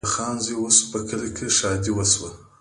د خان زوی وسو په کلي کي ښادي سوه